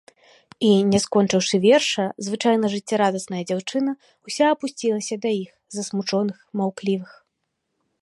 І, не скончыўшы верша, звычайна жыццярадасная дзяўчына ўся апусцілася да іх, засмучоных, маўклівых.